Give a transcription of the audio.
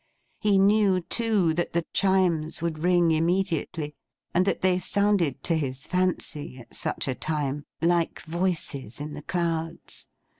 He knew, too, that the Chimes would ring immediately; and that they sounded to his fancy, at such a time, like voices in the clouds.